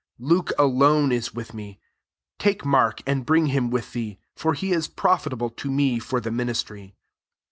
11 Luke alone is with me. Take Mark, and bring him with thee : for he is profitable to me for the ministry.